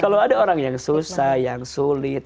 kalau ada orang yang susah yang sulit